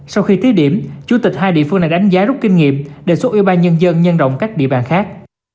sau khi thiết điểm chủ tịch hai địa phương đã đánh giá rút kinh nghiệm đề xuất ubnd nhân rộng các địa bàn khác